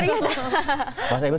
mas emil sebenarnya gimana tuh